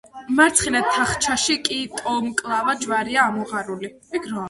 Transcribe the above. მარცხენა თახჩაში კი ტოლმკლავა ჯვარია ამოღარული.